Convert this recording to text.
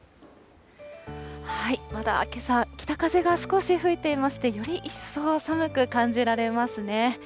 まだけさ、北風が少し吹いていまして、より一層寒く感じられますね。